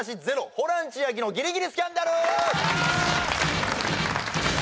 「ホラン千秋のギリギリスキャンダル！」